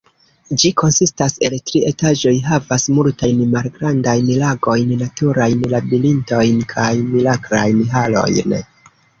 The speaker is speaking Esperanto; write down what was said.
Ĝi konsistas el tri etaĝoj, havas multajn malgrandajn lagojn, naturajn labirintojn kaj miraklajn halojn.